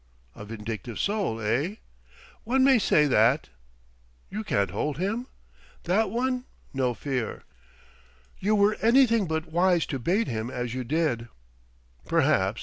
"A vindictive soul, eh?" "One may say that." "You can't hold him?" "That one? No fear! You were anything but wise to bait him as you did." "Perhaps.